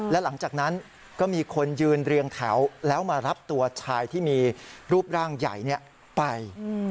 และหลังจากนั้นก็มีคนยืนเรียงแถวแล้วมารับตัวชายที่มีรูปร่างใหญ่ไป